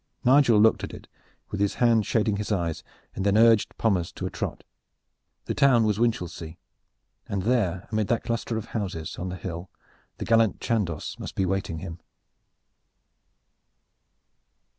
Nigel looked at it with his hand shading his eyes, and then urged Pommers to a trot. The town was Winchelsea, and there amid that cluster of houses on the hill the gallant Chandos must be awaiting him.